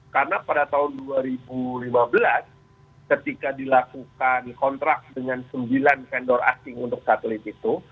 karena pada tahun dua ribu lima belas ketika dilakukan kontrak dengan sembilan vendor asing untuk setelit itu